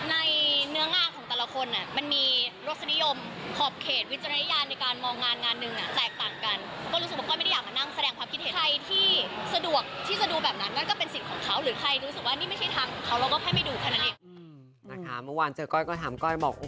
ในเนื้อง่างของแต่ละคนมันมีรสนิยมครอบเขตวิจารณียารในการมองงานงานหนึ่งแตกต่างกัน